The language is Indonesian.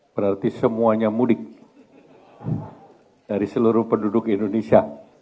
berarti semuanya mudik dari seluruh penduduk indonesia